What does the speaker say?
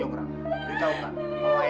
aku tak mau lagi